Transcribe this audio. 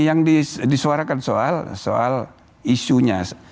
yang disuarakan soal isunya